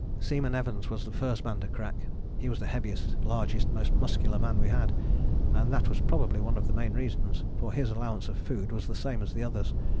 Seaman Evans was the first man to crack. He was the heaviest, largest, most muscular man we had, and that was probably one of the main reasons: for his allowance of food was the same as the others.